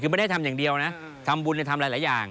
คือไม่ได้ทำอย่างเดียวนะทำบุญทำหลายอย่าง